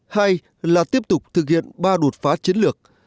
hai là tiếp tục thực hiện ba đột phá chiến lược